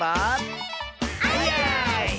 「あいあい」！